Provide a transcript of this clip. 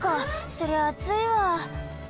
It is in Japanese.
そりゃあついわ。